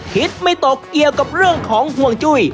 คิดไม่ตกเกี่ยวกับเรื่องของห่วงจุ้ย